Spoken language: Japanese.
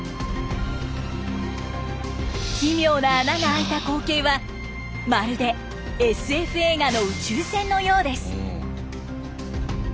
奇妙な穴が開いた光景はまるでＳＦ映画の宇宙船のようです。